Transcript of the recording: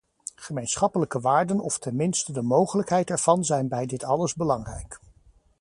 Gemeenschappelijke waarden of ten minste de mogelijkheid ervan zijn bij dit alles belangrijk.